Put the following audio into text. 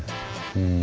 うん。